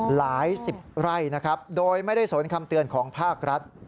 หลายสิบไร่นะครับโดยไม่ได้สนคำเตือนของภาครัฐ